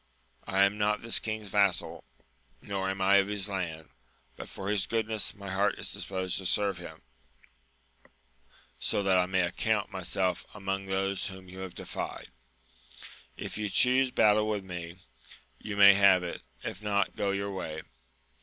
I am not this king's vassal, nor am I of his land, but for his goodness my heart is disposed to serve him, so that I may account my self among those whom you have defied ; if you chuse battle w||h me, you may have it ; if not, go your way